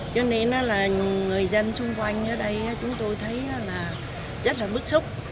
cho nên là người dân xung quanh ở đây chúng tôi thấy là rất là bức xúc